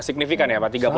signifikan ya pak